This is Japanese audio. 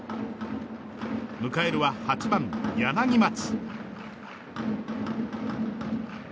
迎えるは８番、柳町。